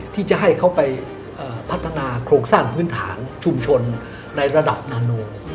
ที่จะให้เขาไปพัฒนาโครงสร้างพื้นฐานชุมชนในระดับนาโน